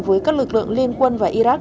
với các lực lượng liên quan